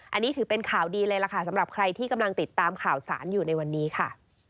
อันนี้ถือเป็นข่าวดีเลยล่ะค่ะสำหรับใครที่กำลังติดตามข่าวสารอยู่ในวันนี้ค่ะ